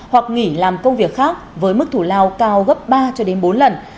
hoặc nghỉ làm công việc khác với mức thủ lao cao gấp ba bốn lần